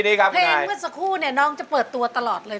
เพลงเมื่อสักครู่เนี่ยน้องจะเปิดตัวตลอดเลย